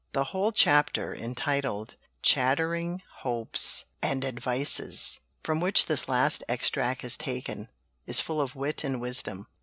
The whole chapter, entitled "Chattering Hopes and Advices," from which this last extract is taken, is full of wit and wisdom.